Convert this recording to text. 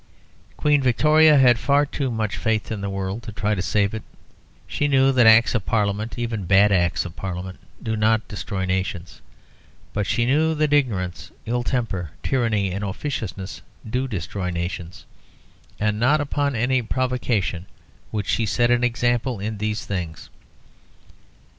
Queen Victoria had far too much faith in the world to try to save it. She knew that Acts of Parliament, even bad Acts of Parliament, do not destroy nations. But she knew that ignorance, ill temper, tyranny, and officiousness do destroy nations, and not upon any provocation would she set an example in these things.